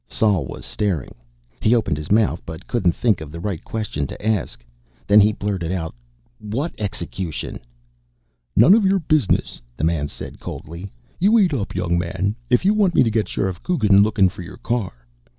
Sol was staring. He opened his mouth, but couldn't think of the right question to ask. Then he blurted out: "What execution?" "None of your business," the man said coldly. "You eat up, young man. If you want me to get Sheriff Coogan lookin' for your car."